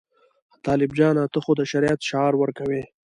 طالب جانه ته خو د شریعت شعار ورکوې.